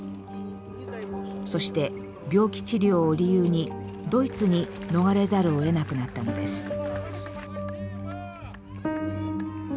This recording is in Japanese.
そして病気治療を理由にドイツに逃れざるをえなくなったのです。